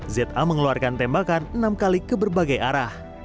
za mengeluarkan tembakan enam kali ke berbagai arah